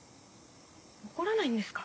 怒らないんですか？